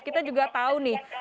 kita juga tahu nih